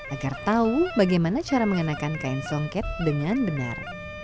agar tahu bagaimana cara mengenakan kain songket dengan benar